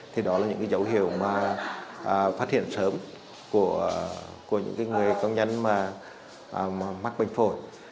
thì đó là những dấu hiệu phát hiện sớm của những người công nhân mắc bệnh phổi